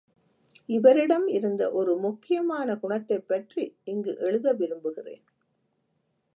இவரிடம் இருந்த ஒரு முக்கியமான குணத்தைப் பற்றி இங்கு எழுத விரும்புகிறேன்.